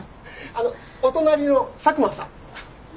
お隣の佐久間さん。